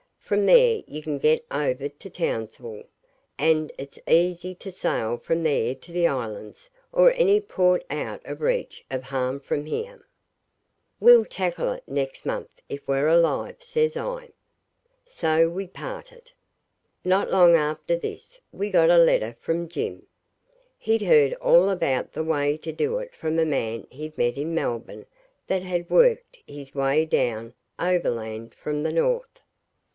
From there you can get over to Townsville, and it's easy to sail from there to the islands or any port out of reach of harm from here.' 'We'll tackle it next month if we're alive,' says I. So we parted. Not long after this we got a letter from Jim. He'd heard all about the way to do it from a man he'd met in Melbourne that had worked his way down overland from the North.